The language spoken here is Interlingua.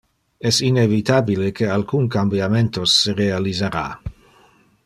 Es inevitabile que alcun cambiamentos se realisara.